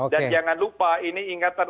dan jangan lupa ini ingatan